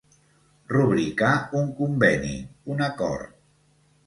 Rubricar un conveni, un acord.